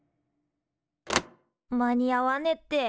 間に合わねって。